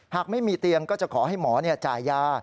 หากไม่มีเตียงก็จะขอให้หมอจ่ายยา